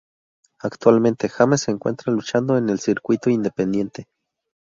Actualmente James se encuentra luchando en el circuito independiente.